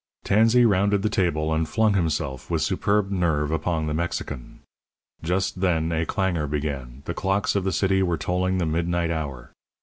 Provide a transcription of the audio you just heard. Tansey rounded the table, and flung himself, with superb nerve, upon the Mexican. Just then a clangour began; the clocks of the city were tolling the midnight hour.